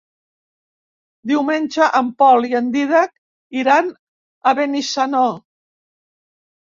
Diumenge en Pol i en Dídac iran a Benissanó.